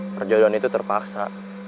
perjodohan itu terpaksa